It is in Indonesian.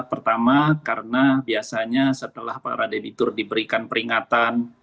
pertama karena biasanya setelah para debitur diberikan peringatan